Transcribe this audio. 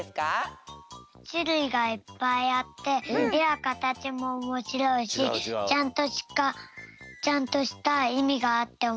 しゅるいがいっぱいあってえやかたちもおもしろいしちゃんとしたいみがあっておもしろいからすき。